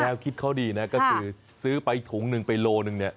แนวคิดเขาดีก็คือซื้อไปถุงหนึ่งไปโลหนึ่ง